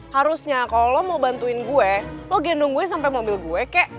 harusnya kalau lo mau bantuin gue lo gendong gue sampe mobil gue kek